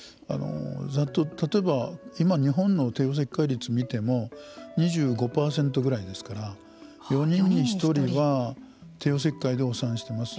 例えば、今日本の帝王切開率を見ても２５％ぐらいですから４人に一人は帝王切開でお産をしています。